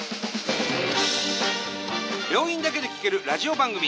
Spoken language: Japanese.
病院だけで聴けるラジオ番組。